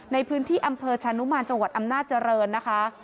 ในพื้นที่อำเภอชานุมานจังหวัดอำนาจเจริญนะคะ